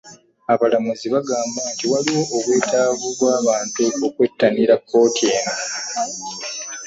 Abalamuzi bagamba nti waliwo obwetaavu bw'abantu okwettanira kkooti eno